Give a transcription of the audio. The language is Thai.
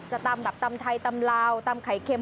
ตำแบบตำไทยตำลาวตำไข่เค็ม